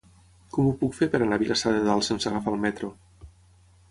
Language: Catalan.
Com ho puc fer per anar a Vilassar de Dalt sense agafar el metro?